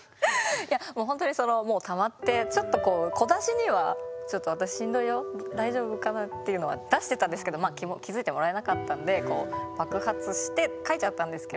いやもうほんとにもうたまってちょっと小出しにはちょっと私しんどいよ大丈夫かな？っていうのは出してたんですけど気付いてもらえなかったんで爆発して書いちゃったんですけど。